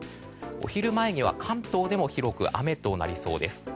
お昼前には関東でも広く雨となりそうです。